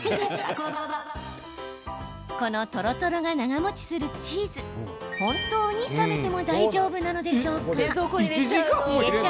このとろとろが長もちするチーズ本当に冷めても大丈夫なのでしょうか？